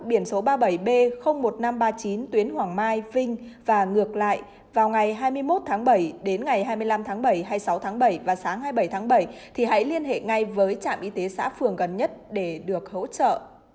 biển số ba mươi bảy b một nghìn năm trăm ba mươi chín tuyến hoàng mai vinh và ngược lại vào ngày hai mươi một tháng bảy đến ngày hai mươi năm tháng bảy hai mươi sáu tháng bảy và sáng hai mươi bảy tháng bảy thì hãy liên hệ ngay với trạm y tế xã phường gần nhất để được hỗ trợ